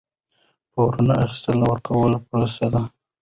د پورونو اخیستل او ورکول پروسه ده.